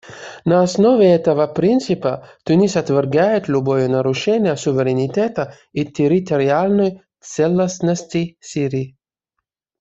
На основе этого принципа Тунис отвергает любое нарушение суверенитета и территориальной целостности Сирии.